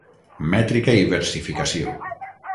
Mètrica i Versificació.